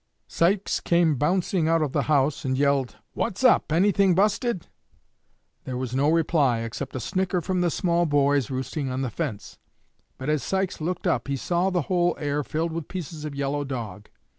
Sykes came bouncing out of the house, and yelled: "What's up! Anything busted?" There was no reply, except a snicker from the small boys roosting on the fence; but as Sykes looked up he saw the whole air filled with pieces of yellow dog.